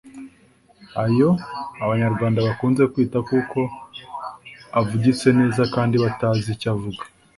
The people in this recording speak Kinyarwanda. Ayo abanyarwanda bakunze kwita kuko avugitse neza kandi batazi icyo avuga